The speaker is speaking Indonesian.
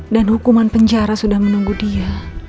dan hukuman penjara sudah menunggu dia